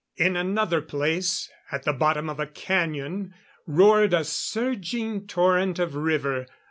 In another place, at the bottom of a canyon roared a surging torrent of river.